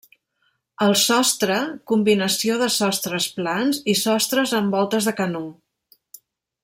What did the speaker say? Al sostre, combinació de sostres plans i sostres amb voltes de canó.